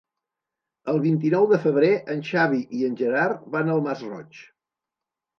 El vint-i-nou de febrer en Xavi i en Gerard van al Masroig.